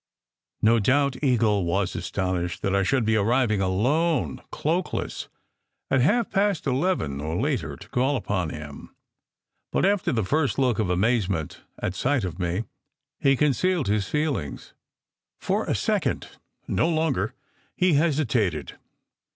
No doubt Eagle was astonished that I should be arriving 302 SECRET HISTORY alone, cloakless, at half past eleven or later to call upon him; but after the first look of amazement at sight of me, he concealed his feelings. For a second no longer he hesitated.